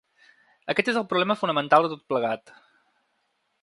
Aquest és el problema fonamental de tot plegat.